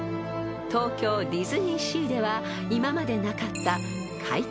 ［東京ディズニーシーでは今までなかった］